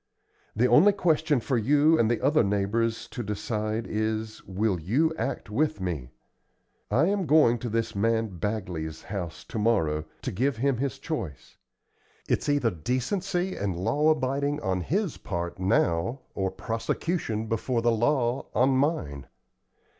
The only question for you and the other neighbors to decide is, Will you act with me? I am going to this man Bagley's house to morrow, to give him his choice. It's either decency and law abiding on his part, now, or prosecution before the law on mine.